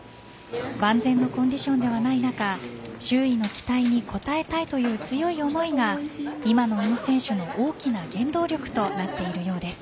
万全のコンディションではない中周囲の期待に応えたいという強い思いが今の宇野選手の大きな原動力となっているようです。